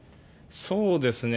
そうですね。